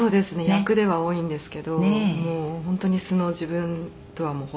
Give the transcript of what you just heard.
「役では多いんですけどもう本当に素の自分とは程遠い」